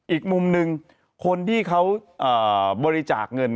อีกมุมหนึ่งคนที่เขาบริจาคเงิน